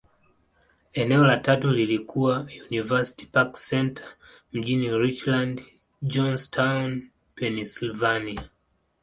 Eneo la tatu lililokuwa University Park Centre, mjini Richland, Johnstown, Pennyslvania.